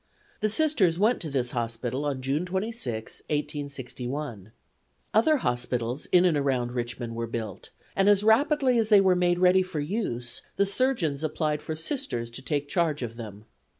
The Sisters went to this hospital on June 26, 1861. Other hospitals in and around Richmond were built, and as rapidly as they were made ready for use the surgeons applied for Sisters to take charge of them.